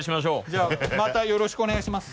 じゃあまたよろしくお願いします。